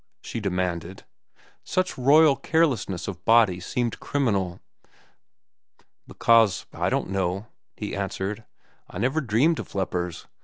she demanded. Such royal carelessness of body seemed criminal. "Because I didn't know," he answered. "I never dreamed of lepers.